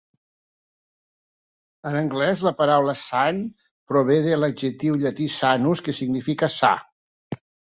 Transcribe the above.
En anglès, la paraula "sane" prové de l'adjectiu llatí "sanus", que significa "sa".